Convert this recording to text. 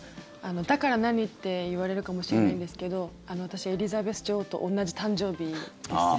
だから何？って言われるかもしれないんですけど私、エリザベス女王と同じ誕生日です。